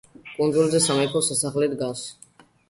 კუნძულზე სამეფო სასახლე დგას.